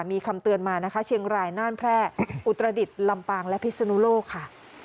มีคำเตือนมานะคะเชียงรายน่านแพร่อุตรดิษฐ์ลำปางและพิศนุโลกค่ะ